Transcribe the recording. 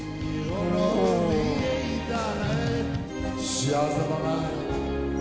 「幸せだなァ」